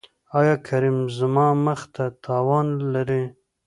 ایا کریم زما مخ ته تاوان لري؟